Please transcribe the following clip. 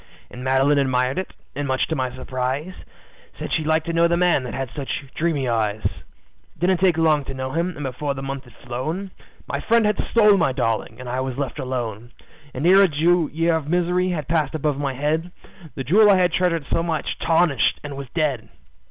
And Madeline admired it, and much to my surprise, Said she'd like to know the man that had such dreamy eyes. "It didn't take long to know him, and before the month had flown My friend had stole my darling, and I was left alone; And ere a year of misery had passed above my head, The jewel I had treasured so had tarnished and was dead.